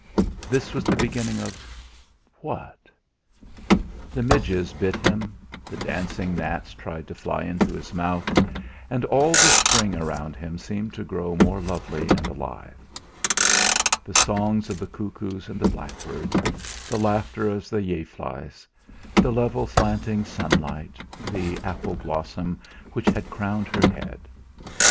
This was the beginning of what? The midges bit him, the dancing gnats tried to fly into his mouth, and all the spring around him seemed to grow more lovely and alive; the songs of the cuckoos and the blackbirds, the laughter of the yaflies, the level slanting sunlight, the apple blossom which had crowned her head!